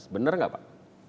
benar enggak pak